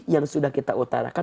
yang sudah kita utarakan